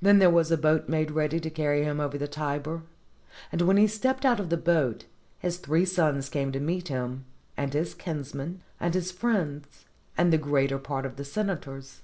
Then therewas a boat made ready to carry him over the Tiber, and when he stepped out of the boat, his three sons came to meet him, and his kinsmen and his friends, and the greater part of the senators.